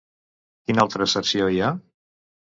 Quin altre Cerció hi ha?